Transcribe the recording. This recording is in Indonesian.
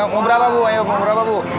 mau berapa bu